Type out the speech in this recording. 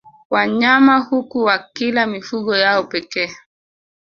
Wanyama huku wakila mifugo yao pekee